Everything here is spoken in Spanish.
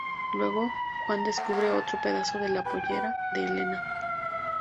Luego, Juan descubre otro pedazo de la pollera de Elena.